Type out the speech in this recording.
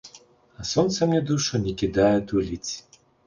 А сонца мне душу не кідае туліць.